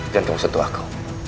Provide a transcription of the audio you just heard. jangan tunggu sentuh aku